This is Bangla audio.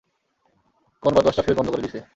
কোন বদমাশরা ফিউজ বন্ধ করে দিছে।